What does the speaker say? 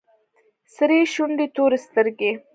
سرې شونډې تورې سترگې.